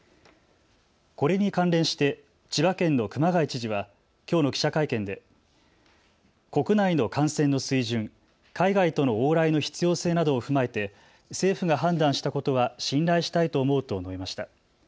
これに関連して千葉県の熊谷知事はきょうの記者会見で国内の感染の水準、海外との往来の必要性などを踏まえて政府が判断したことは信頼したいと思うと述べました。